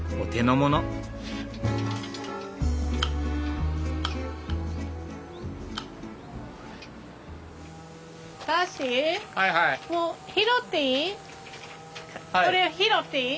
もう拾っていい？